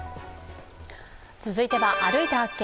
続いては「歩いて発見！